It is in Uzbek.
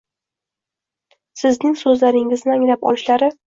Sizning so‘zlaringizni anglab olishlari